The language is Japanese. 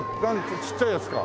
ちっちゃいやつか。